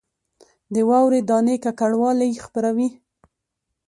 د واورې دانې ککړوالی خپروي